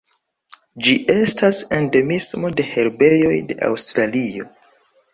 Ĝi estas endemismo de herbejoj de Aŭstralio.